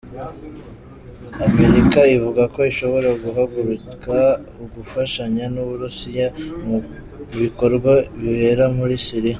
Amerika ivuga ko ishobor guhagarika ugufashanya n’Uburusiya mubikorwa bibera muri Syria.